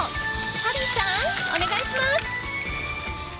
ハリーさん、お願いします。